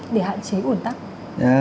để hạn chế ổn tắc